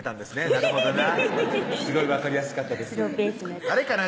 なるほどなすごい分かりやすかったですあれかな